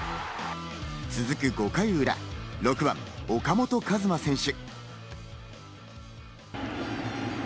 続く５回裏、６番・岡本和真選手。